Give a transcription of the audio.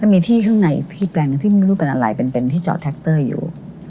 มีที่ข้างในอีกที่แปลงหนึ่งที่ไม่รู้เป็นอะไรเป็นที่จอดแท็กเตอร์อยู่